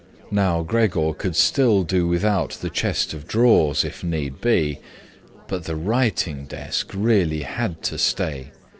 Now, Gregor could still do without the chest of drawers if need be, but the writing desk really had to stay.